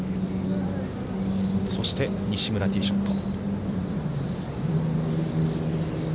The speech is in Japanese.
そして西村、ティーショット。